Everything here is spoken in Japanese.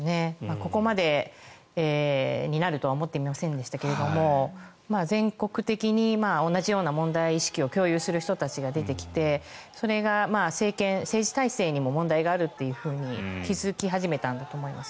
ここまでになるとは思っていませんでしたけれど全国的に同じような問題意識を共有するような人たちが出てきてそれが政権、政治体制にも問題があるというふうに気付き始めたんだと思います。